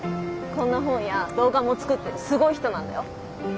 こんな本や動画も作ってるすごい人なんだよ。